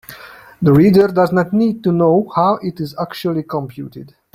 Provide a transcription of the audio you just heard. The reader does not need to know how it is actually computed.